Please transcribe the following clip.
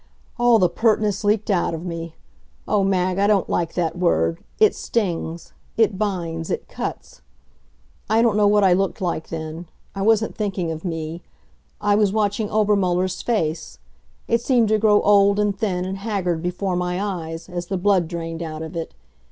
All the pertness leaked out of me. Oh, Mag, I don't like that word. It stings it binds it cuts. I don't know what I looked like then; I wasn't thinking of me. I was watching Obermuller's face. It seemed to grow old and thin and haggard before my eyes, as the blood drained out of it.